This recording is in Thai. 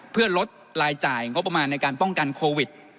เพื่อลดรายจ่ายงบประมาณในการป้องกันโควิด